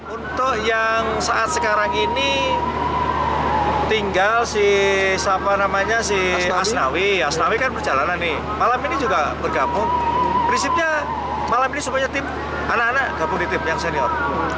untuk yang saat sekarang ini tinggal si asnawi asnawi kan perjalanan nih malam ini juga bergabung prinsipnya malam ini supaya tim anak anak gabung di tim yang senior